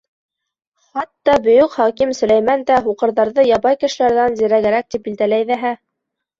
Хатта бөйөк хаким Сөләймән дә һуҡырҙарҙы ябай кешеләрҙән зирәгерәк тип билдәләй ҙәһә.